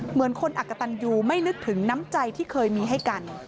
เหมือนคนอักกะตันยูไม่นึกถึงน้ำใจที่เคยมีให้กัน